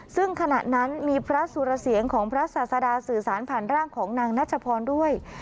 ซึ่งขณะนั้นมีพระสุรเสียงของพระศาสดาสื่อสารผ่านร่างของนางนัชพรด้วย